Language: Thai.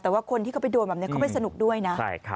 แต่ว่าคนที่เข้าไปดูมันเข้าไปสนุกด้วยนะ